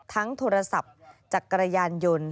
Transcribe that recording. ทั้งโทรศัพท์จักรยานยนต์